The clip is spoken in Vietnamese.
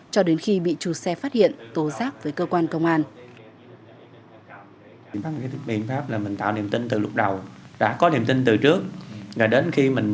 cho đến khi bị chủ xe phát hiện tố giác với cơ quan công an